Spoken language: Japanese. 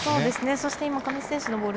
そして上地選手のボール